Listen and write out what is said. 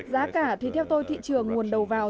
giá cả thì theo tôi thị trường nguồn đầu vào